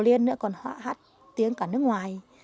liên nữa còn hát tiếng cả nước ngoài